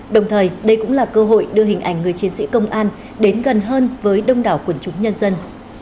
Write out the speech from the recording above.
đồng thời đây cũng là cơ hội đưa hình ảnh người chiến sĩ công an đến gần hơn với đông đảo quần chúng nhân dân